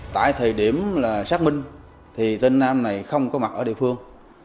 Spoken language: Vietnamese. tại thời điểm xác minh thì tên nam này không có mặt ở địa phương